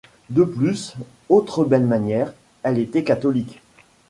De plus, autre belle manière, elle était catholique.